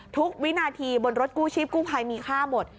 วินาทีบนรถกู้ชีพกู้ภัยมีค่าหมด